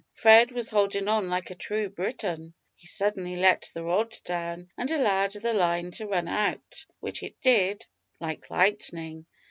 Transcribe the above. Fred was holding on like a true Briton. He suddenly let the rod down and allowed the line to run out, which it did like lightning.